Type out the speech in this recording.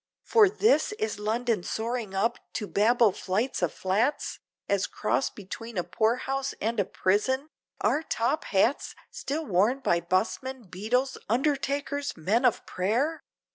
For this! is London soaring up, to Babel flights of flats As cross between a poorhouse, and a prison? are top hats Still worn by busmen, beadles, undertakers, men of prayer!